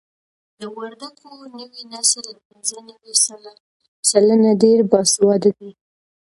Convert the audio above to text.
د وردګو نوی نسل له پنځه نوي سلنه ډېر باسواده دي.